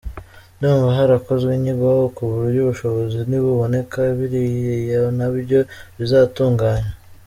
Ndumva harakozwe inyigo ku buryo ubushobozi nibuboneka biriya na byo bizatuganywa”.